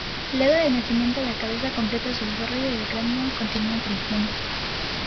Luego del nacimiento, la cabeza completa su desarrollo y el cráneo continúa creciendo.